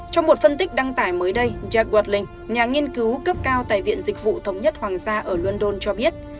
trong một phân tích đăng tải mới đây jacoelling nhà nghiên cứu cấp cao tại viện dịch vụ thống nhất hoàng gia ở london cho biết